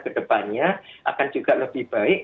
kedepannya akan juga lebih baik